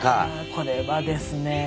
これはですね